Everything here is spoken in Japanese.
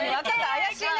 怪しいな。